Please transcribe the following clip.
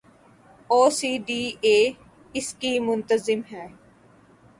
اورسی D A اس کی منتظم ہے۔